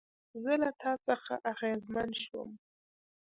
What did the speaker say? زه له تا څخه اغېزمن شوم